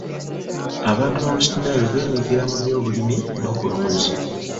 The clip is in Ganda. Abantu ba West Nile beenyigira mu byobulimi n'obulunzi.